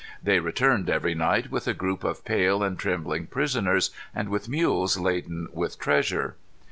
They returned every night with a group of pale and trembling prisoners, and with mules laden with treasure.